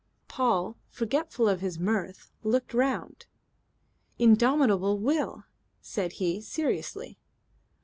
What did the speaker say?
Paul, forgetful of his mirth, looked round. "'Indomitable will," said he seriously.